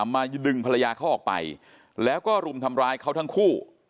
มาดึงภรรยาเขาออกไปแล้วก็รุมทำร้ายเขาทั้งคู่